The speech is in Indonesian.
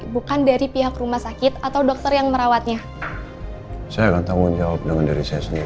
bukan dari diri